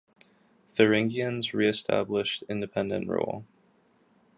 Thuringians reestablished independent rule.